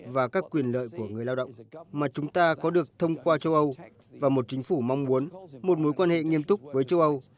và các quyền lợi của người lao động mà chúng ta có được thông qua châu âu và một chính phủ mong muốn một mối quan hệ nghiêm túc với châu âu